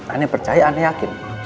aneh percaya aneh yakin